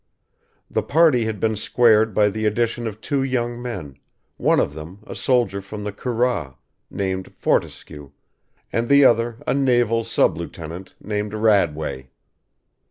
The party had been squared by the addition of two young men, one of them a soldier from the Curragh, named Fortescue, and the other a naval sub lieutenant, named Radway.